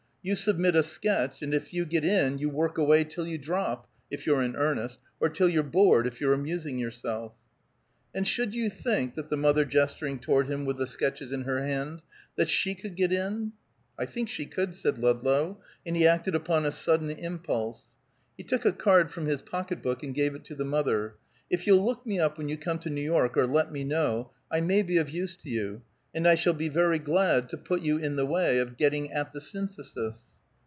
You submit a sketch, and if you get in you work away till you drop, if you're in earnest, or till you're bored, if you're amusing yourself." "And should you think," said the mother gesturing toward him with the sketches in her hand, "that she could get in?" "I think she could," said Ludlow, and he acted upon a sudden impulse. He took a card from his pocketbook, and gave it to the mother. "If you'll look me up when you come to New York, or let me know, I may be of use to you, and I shall be very glad to put you in the way of getting at the Synthesis."